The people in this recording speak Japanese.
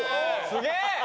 すげえよ！